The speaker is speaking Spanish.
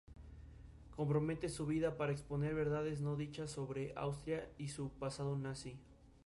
El rol de los mayores del clan era de enseñanza moral o confuciana.